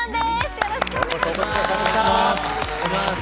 よろしくお願いします。